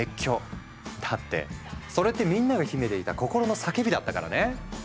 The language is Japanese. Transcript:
だってそれってみんなが秘めていた心の叫びだったからね。